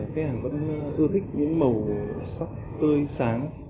khách hàng vẫn ưa thích những màu sắc tươi sáng